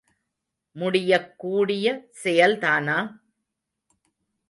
முடியக் கூடிய செயல்தானா?